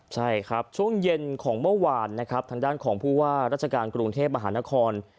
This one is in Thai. ใช่ครับช่วงเย็นของเมื่อวานนะครับทางด้านของผู้ว่าราชการกรุงเทพมหานคร